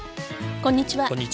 こんにちは。